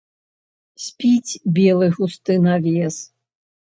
Спіць белы густы навес.